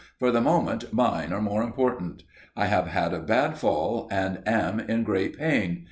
'For the moment mine are more important. I have had a bad fall and am in great pain.